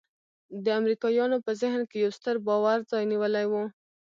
د امریکایانو په ذهن کې یو ستر باور ځای نیولی.